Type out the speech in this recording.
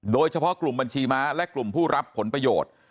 โดยเฉพาะกลุ่มบัญชีม้าและกลุ่มผู้รับผลประโยชน์